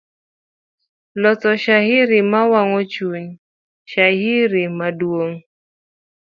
Loso shairi, mawang'o chuny, shairi maduong'.